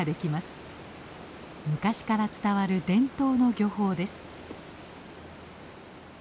昔から伝わる伝統の漁法です。